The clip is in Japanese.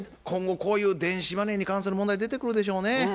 今後こういう電子マネーに関する問題出てくるでしょうね。